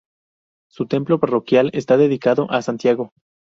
Su templo parroquial está dedicado a Santiago.